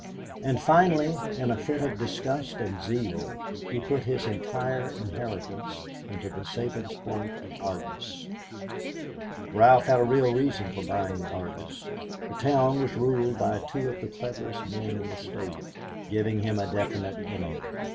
And finally in a fit of disgust and zeal he put his entire inheritance into the Sabinsport Argus. Ralph had a real reason in buying the Argus. The town was ruled by two of the cleverest men in the State, giving him a definite enemy.